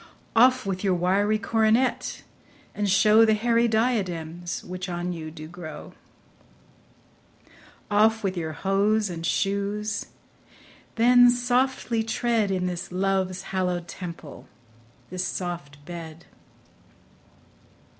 Off with your wiry coronet, and show The hairy diadems which on you do grow. Off with your hose and shoes ; then softly tread In this love's hallow'd temple, this soft bed.